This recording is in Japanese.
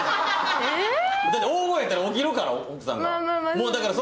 だって大声やったら奥さんが起きるから。